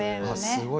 すごい！